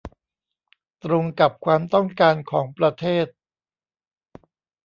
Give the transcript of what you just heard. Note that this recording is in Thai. ตรงกับความต้องการของประเทศ